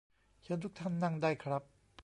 เชิญทุกท่านนั่งได้ครับ